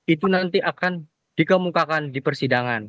itu nanti akan dikemukakan di persidangan